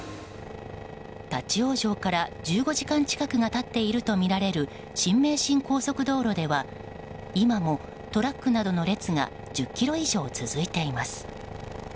立ち往生から１５時間近くが経っているとみられる新名神高速道路では今もトラックなどの列が１０ｋｍ以上続いています。